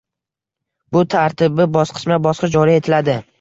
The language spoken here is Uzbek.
Bu tartibi bosqichma-bosqich joriy etiladi.